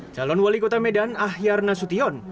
calon wali kota medan ahyar nasution